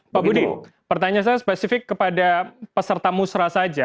pak budi pertanyaan saya spesifik kepada peserta musrah saja